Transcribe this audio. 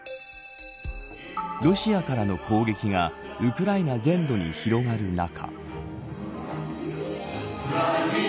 ロシアからの攻撃がウクライナ全土に広がる中。